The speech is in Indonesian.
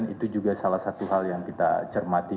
itu juga salah satu hal yang kita cermati